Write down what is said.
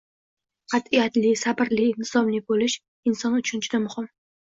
Qatʼiyatli, sabrli, intizomli bo‘lish – inson uchun juda muhim.